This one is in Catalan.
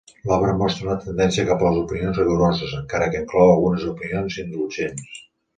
L'obra mostra una tendència cap a les opinions rigoroses, encara que inclou algunes opinions indulgents.